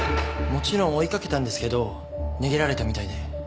もちろん追いかけたんですけど逃げられたみたいで。